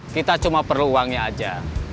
kita cuma perlu uangnya aja